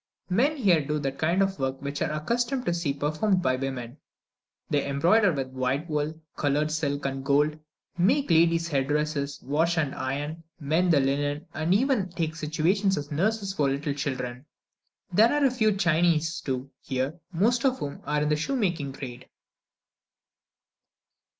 Men here do that kind of work which we are accustomed to see performed by women. They embroider with white wool, coloured silk, and gold; make ladies' head dresses, wash and iron, mend the linen, and even take situations as nurses for little children. There are a few Chinese, too, here, most of whom are in the shoemaking trade.